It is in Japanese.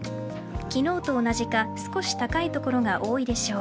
昨日と同じか少し高い所が多いでしょう。